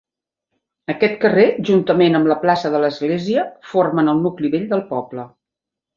Aquest carrer juntament amb la plaça de l'Església formen el nucli vell del poble.